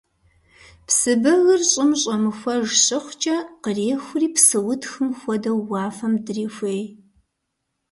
Псы бэгыр щӀым щӀэмыхуэж щыхъукӀэ, кърехури, псыутхым хуэдэу уафэм дрехуей.